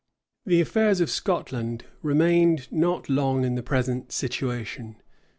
The affairs of Scotland remained not long in the present situation.